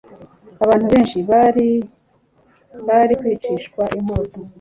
abantu benshi bari bari kwicishwa inkota